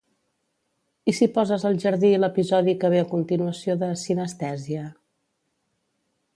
I si poses al jardí l'episodi que ve a continuació de "cinestèsia"?